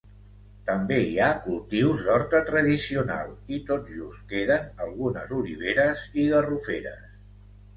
També hi ha cultius d'horta tradicional i tot just queden algunes oliveres i garroferes.